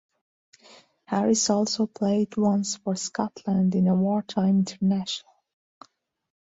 Harris also played once for Scotland in a wartime international.